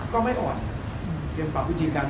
ก็ไม่อ่อนยังปรับวิธีการ